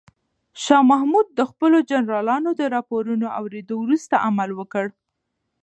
شاه محمود د خپلو جنرالانو د راپورونو اورېدو وروسته عمل وکړ.